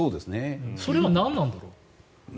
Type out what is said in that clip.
それは何なんだろう。